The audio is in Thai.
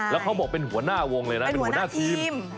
แล้วเขาบอกเป็นหัวหน้าวงเลยนะเป็นหัวหน้าทีม